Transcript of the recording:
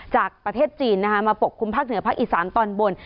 จากประเทศจีนนะคะมาปกคลุมภาคเหนือภาคอีสานตอนบน